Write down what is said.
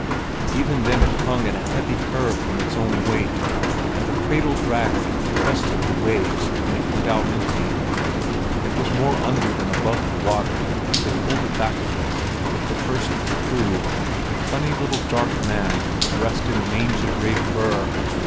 Even then it hung in a heavy curve from its own weight, and the cradle dragged through the crests of the waves when it went out empty. It was more under than above the water as they pulled it back again with the first of the crew, a funny little dark man, dressed in mangy gray fur.